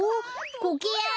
コケヤン